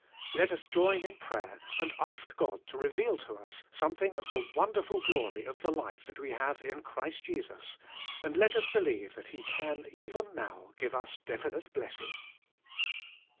Let us join in prayer and ask God to reveal to us something of the wonderful glory of the life that we have in Christ Jesus, and let us believe that He can^ even now, give us definite blessing.